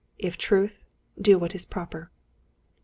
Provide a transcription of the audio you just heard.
If truth, do what is proper."